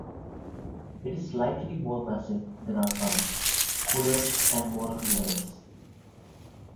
It is slightly more massive than our Sun, cooler and more luminous.